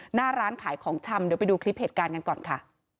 หน้าร้านขายของชำเดี๋ยวไปดูคลิปเหตุการณ์กันก่อนค่ะ